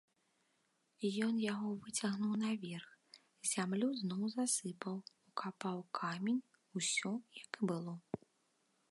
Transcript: Ён яго выцягнуў наверх, зямлю зноў засыпаў, укапаў камень, усё, як і было.